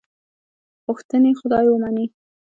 غوښتنې خدای ومني.